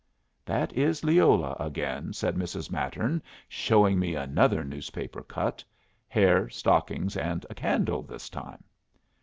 "That is Leola again," said Mrs. Mattern, showing me another newspaper cut hair, stockings, and a candle this time.